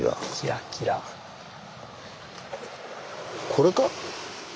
これか？